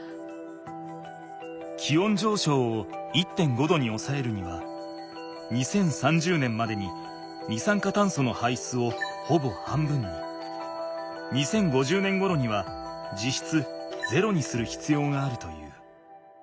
気温じょうしょうを１．５℃におさえるには２０３０年までに二酸化炭素の排出をほぼ半分に２０５０年ごろには実質ゼロにするひつようがあるという。